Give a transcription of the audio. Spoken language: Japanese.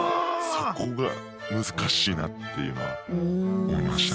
そこが難しいなっていうのは思いましたね。